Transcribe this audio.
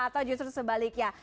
atau justru sebaliknya